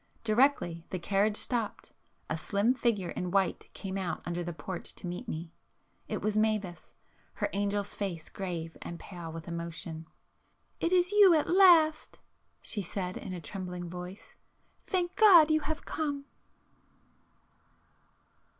Directly the carriage stopped, a slim figure in white came out under the porch to meet me,—it was Mavis, her angel's face grave and pale with emotion. "It is you at last!" she said in a trembling voice——"Thank God you have come!"